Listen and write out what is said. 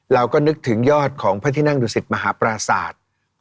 เราก็นึกถึงยอดของพระที่นั่งดุสิตมหาปราศาสตร์